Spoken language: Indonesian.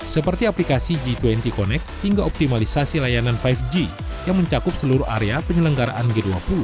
seperti aplikasi g dua puluh connect hingga optimalisasi layanan lima g yang mencakup seluruh area penyelenggaraan g dua puluh